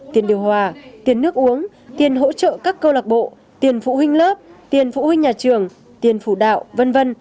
tiền điều hòa tiền nước uống tiền hỗ trợ các câu lạc bộ tiền phụ huynh lớp tiền phụ huynh nhà trường tiền phụ đạo v v